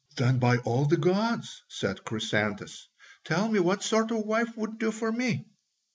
"Then by all the gods," said Chrysantas, "tell me what sort of wife would do for me?"